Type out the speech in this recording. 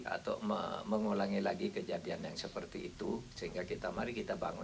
atau mengulangi lagi kejadian yang seperti itu